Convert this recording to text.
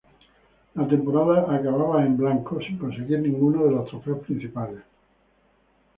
La temporada acababa "en blanco", sin conseguir ninguno de los trofeos principales.